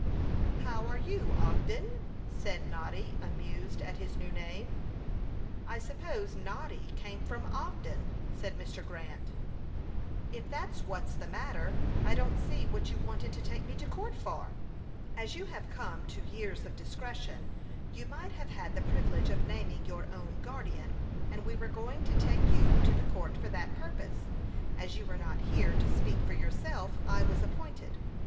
"How are you, Ogden?" said Noddy, amused at his new name. "I suppose Noddy came from Ogden," said Mr. Grant. "If that's what's the matter, I don't see what you wanted to take me to court for." "As you have come to years of discretion, you might have had the privilege of naming your own guardian; and we were going to take you to the court for that purpose. As you were not here to speak for yourself, I was appointed.